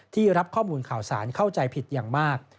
รับข้อมูลข่าวสารเข้าใจผิดอย่างมาก